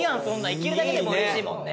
行けるだけでも嬉しいもんね。